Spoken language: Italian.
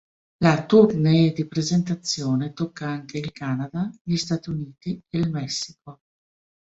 La tournée di presentazione tocca anche il Canada, gli Stati Uniti e il Messico.